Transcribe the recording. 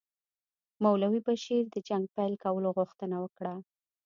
مولوي بشیر د جنګ پیل کولو غوښتنه وکړه.